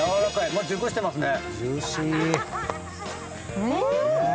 もう熟してますね。